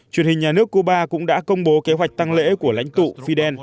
truyền hình nhà nước cuba cũng đã công bố kế hoạch tăng lễ của lãnh tụ fidel